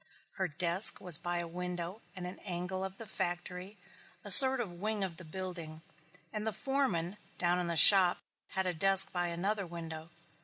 Her desk was by a window at an angle of the factory, a sort of wing of the building, and the foreman, down in the shop, had a desk by another window.